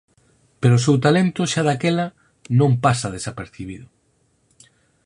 Pero o seu talento, xa daquela, non pasa desapercibido.